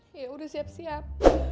ya udah siap siap